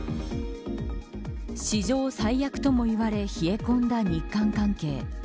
史上最悪ともいわれ冷え込んだ日韓関係。